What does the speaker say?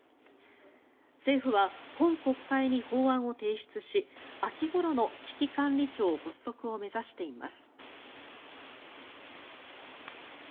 政府は今国会に法案を提出し秋ごろの危機管理庁発足を目指しています。